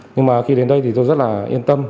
nhưng mà khi đến đây thì tôi rất là yên tâm